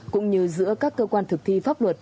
cũng như giữa các cơ quan thực thi pháp luật